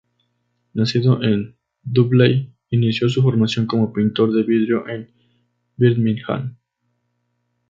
Nacido en Dudley, inició su formación como pintor de vidrio en Birmingham.